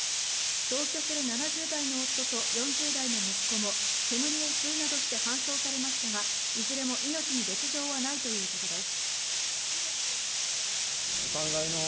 同居する７０代の夫と４０代の息子も煙を吸うなどして搬送されましたがいずれも命に別条はないということです。